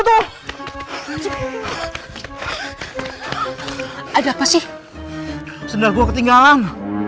ada apa sih senyap gua ketinggalan